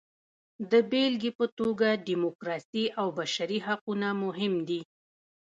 د بېلګې په توګه ډیموکراسي او بشري حقونه مهم دي.